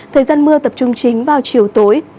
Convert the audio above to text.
thời gian mưa tập trung chính vào chiều tối